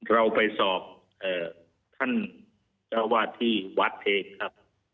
เราไปสอบท่านเจ้าวาดที่วัดเทพครับ